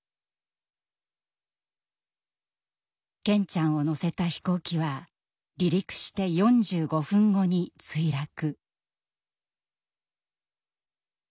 健ちゃんを乗せた飛行機は離陸して４５分後に墜落。